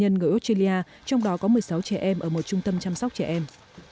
bốn mươi sáu nạn nhân ở australia trong đó có một mươi sáu trẻ em ở một trung tâm chăm sóc trẻ em